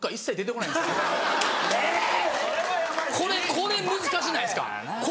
これ難しないですか。